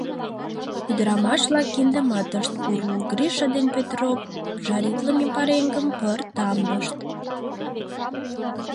Ӱдырамаш-влак киндымат ышт пурл, Гриша ден Петроп жаритлыме пареҥгым пырт тамлышт.